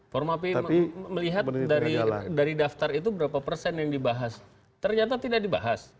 formapi melihat dari daftar itu berapa persen yang dibahas ternyata tidak dibahas